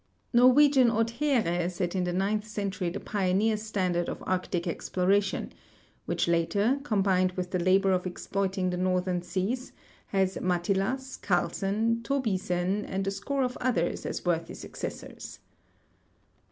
Norwegian Othere set in the ninth century the ])ioneer standard of Arctic ex[)loration, Avhich later, combined Avith the labor of exploiting the northern seas, has Mattilas, Carlsen, Tol)iesen, and a score of others as Avorthy successors.